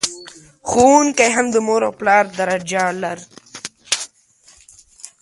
ښوونکي هم د مور او پلار درجه لر...